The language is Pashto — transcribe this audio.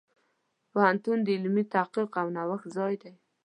پوهنتون د علمي تحقیق او نوښت ځای دی.